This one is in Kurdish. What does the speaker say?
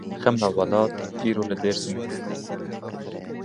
Xemla welat îro li Dêrsimê ye.